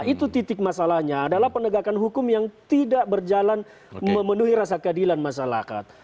itu titik masalahnya adalah penegakan hukum yang tidak berjalan memenuhi rasa keadilan masyarakat